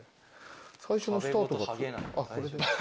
最初のスタートが。